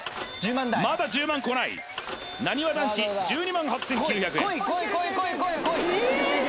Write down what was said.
まだ１０万こないなにわ男子１２万８９００円